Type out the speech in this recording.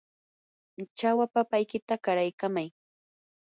chawa papaykita qaraykamay.